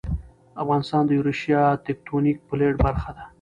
افغانستان د یوریشیا تکتونیک پلیټ برخه ده